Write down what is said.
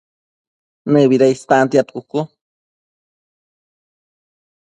¿Nëbida istantiad cucu?